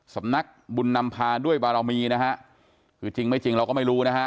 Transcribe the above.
สำนักบุญนำพาด้วยบารมีนะฮะคือจริงไม่จริงเราก็ไม่รู้นะฮะ